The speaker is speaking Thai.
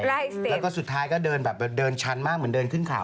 แล้วก็สุดท้ายก็เดินชั้นมากเหมือนเดินขึ้นเข่า